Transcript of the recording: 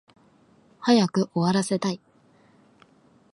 早く終わらせたい